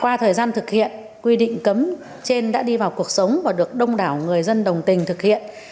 qua thời gian thực hiện quy định cấm trên đã đi vào cuộc sống và được đông đảo người dân đồng tình thực hiện